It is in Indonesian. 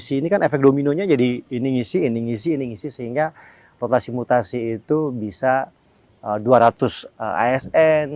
isi ini kan efek dominonya jadi ini ngisi ini ngisi ini ngisi sehingga rotasi mutasi itu bisa dua ratus asn